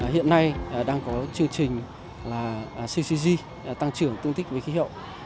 hôm nay đang có chương trình ccg tăng trưởng tương tích với khí hậu